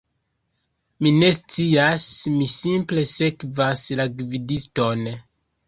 Mi ne scias, mi simple sekvas la gvidiston